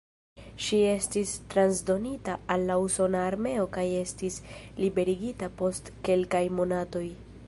Ŝi estis transdonita al la usona armeo kaj estis liberigita post kelkaj monatoj.